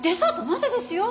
まだですよ？